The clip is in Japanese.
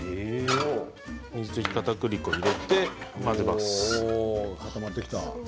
かたくり粉を入れて混ぜます。